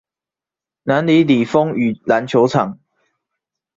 南里里風雨籃球場